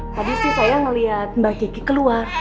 tadi sih saya melihat mbak kiki keluar